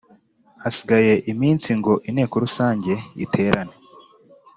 hasigaye iminsi ngo inteko Rusange iterane